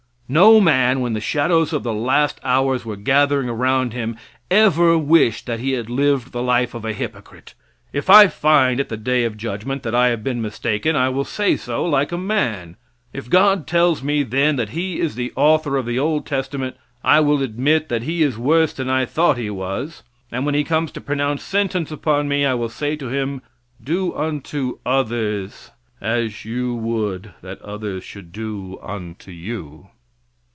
No man, when the shadows of the last hours were gathering around him, ever wished that he had lived the life of a hypocrite. If I find at the Day of Judgment that I have been mistaken, I will say so, like a man. If God tells me then that he is the author of the old testament I will admit that he is worse than I thought He was, and when He comes to pronounce sentence upon me, I will say to Him: "Do unto others as You would that others should do unto You."